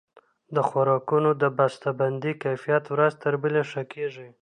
د خوراکونو د بسته بندۍ کیفیت ورځ تر بلې ښه کیږي.